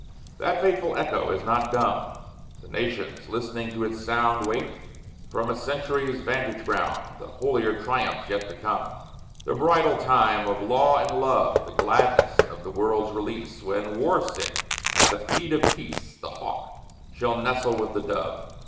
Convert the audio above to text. That fateful echo is not dumb: The nations listening to its sound Wait, from a century's vantage ground, The holier triumphs yet to come, The bridal time of Law and Love, The gladness of the world's release, When, war sick, at the feet of Peace The hawk shall nestle with the dove!